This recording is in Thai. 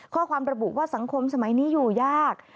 ข้อความระบุว่าสังคมสมัยนี้อยู่ยาก